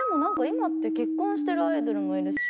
今って結婚してるアイドルもいるし。